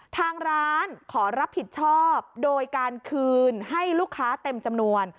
ทางร้านขอรับผิดชอบโดยการคืนให้ลูกค้าเต็มจำนวน